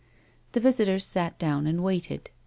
The visitors sat down and waited.